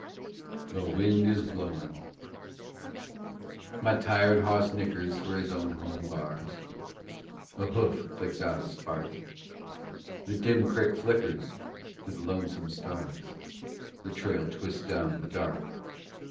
THE WIND IS BLOWIN' My tired hawse nickers for his own home bars; A hoof clicks out a spark. The dim creek flickers to the lonesome stars; The trail twists down the dark.